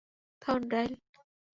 থামুন, ডাইল।